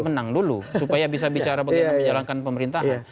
menang dulu supaya bisa bicara bagaimana menjalankan pemerintahan